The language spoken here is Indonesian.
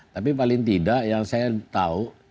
tapi paling tidak yang saya tahu